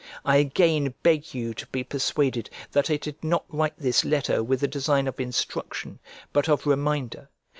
I again beg you to be persuaded that I did not write this letter with a design of instruction, but of reminder.